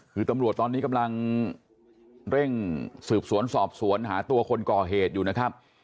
คือตำรวจตอนนี้กำลังเร่งสืบสวนสอบสวนหาตัวคนก่อเหตุอยู่นะครับ